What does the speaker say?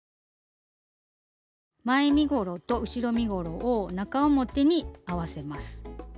前身ごろと後ろ身ごろを中表に合わせます。